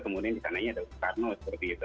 kemudian di sananya ada soekarno